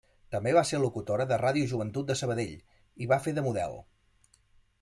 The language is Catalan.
També va ser locutora de Ràdio Joventut de Sabadell i va fer de model.